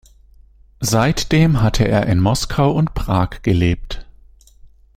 Seitdem hatte er in Moskau und Prag gelebt.